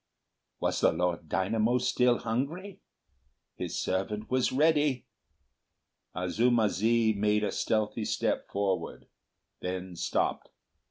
"Was the Lord Dynamo still hungry? His servant was ready." Azuma zi made a stealthy step forward; then stopped.